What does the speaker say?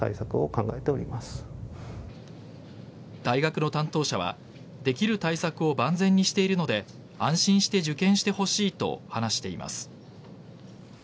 大学の担当者はできる対策を万全にしているので安心して受験してほしいと話しています。